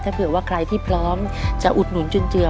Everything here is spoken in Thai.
ถ้าเผื่อว่าใครที่พร้อมจะอุดหนุนจุนเจือ